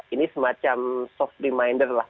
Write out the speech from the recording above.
ini semacam soft reminder lah